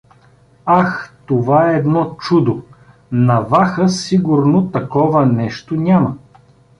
— Ах, това е едно чудо… На Ваха сигурно такова нещо няма.